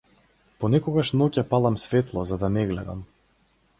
Понекогаш ноќе палам светло за да не гледам.